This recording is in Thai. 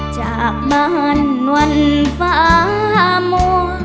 จากบ้านวันฟ้ามัว